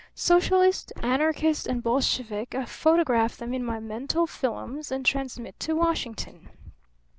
Socialist, anarchist and Bolshevik I photograph them in my mental 'fillums' and transmit to Washington.